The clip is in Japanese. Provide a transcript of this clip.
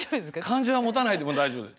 感情はもたないでも大丈夫です。